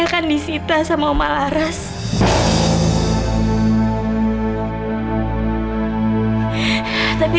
dokter juga udah terlalu banyak ngebantu saya